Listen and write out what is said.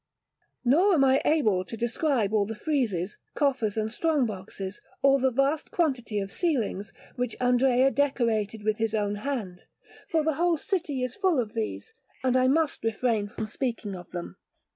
Nor am I able to describe all the friezes, coffers, and strong boxes, or the vast quantity of ceilings, which Andrea decorated with his own hand, for the whole city is full of these, and I must refrain from speaking of them.